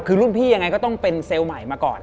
คือรุ่นพี่ยังไงก็ต้องเป็นเซลล์ใหม่มาก่อน